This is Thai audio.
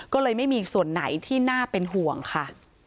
ก็เลยไม่มีส่วนไหนที่น่าเป็นห่วงค่ะ